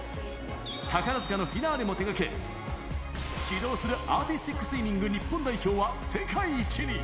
宝塚のフィナーレも手掛け、指導するアーティスティックスイミング日本代表は世界一に。